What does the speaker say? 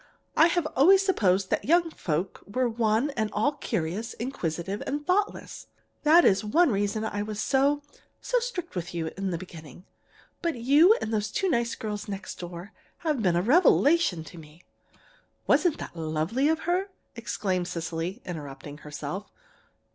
I have always supposed that young folks were one and all curious, inquisitive, and thoughtless. That is one reason I was so so strict with you in the beginning. But you and those two nice girls next door have been a revelation to me.' "Wasn't that lovely of her?" exclaimed Cecily, interrupting herself.